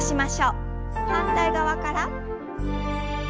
反対側から。